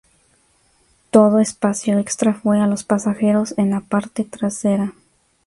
Todo espacio extra fue a los pasajeros en la parte trasera.